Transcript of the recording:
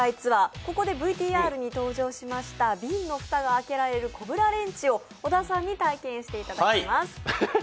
ここでＶＴＲに登場しました瓶の蓋が開けられるコブラレンチを小田さんに体験していただきます。